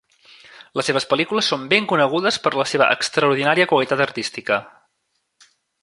Les seves pel·lícules són ben conegudes per la seva extraordinària qualitat artística.